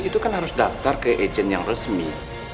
itu kan harus daftar ke agent yang resmi